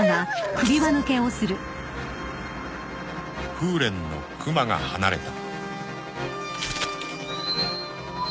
［風連のクマが放れた］